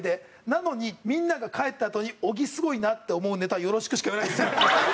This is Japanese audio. なのにみんなが帰ったあとに小木すごいなって思うネタをよろしく」しか言わないんですよ。